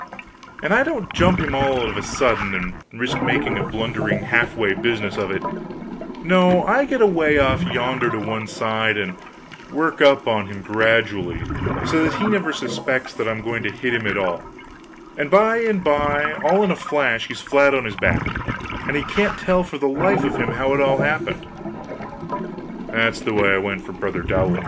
And I don't jump at him all of a sudden, and risk making a blundering half way business of it; no, I get away off yonder to one side, and work up on him gradually, so that he never suspects that I'm going to hit him at all; and by and by, all in a flash, he's flat on his back, and he can't tell for the life of him how it all happened. That is the way I went for brother Dowley.